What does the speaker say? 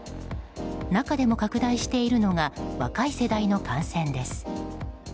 中でも拡大しているのが若い世代の感染です。